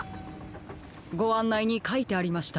ごあんないにかいてありましたよ。